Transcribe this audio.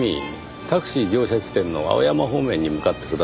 タクシー乗車地点の青山方面に向かってください。